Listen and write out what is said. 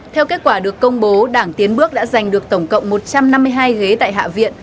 theo kết quả được công bố đảng tiến bước đã giành được tổng cộng một trăm năm mươi hai ghế tại hạ viện